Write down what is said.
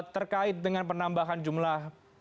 terkait dengan penambahan jumlah